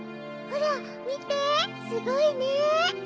ほらみてすごいね！